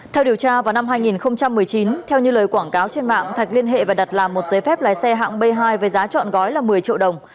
theo điều tra vào năm hai nghìn một mươi chín theo như lời quảng cáo trên mạng thạch liên hệ và đặt làm một giấy phép lái xe hạng b hai với giá trọn gói là một mươi triệu đồng